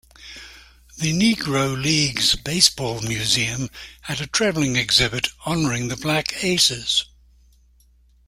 The Negro Leagues Baseball Museum had a traveling exhibit honoring the Black Aces.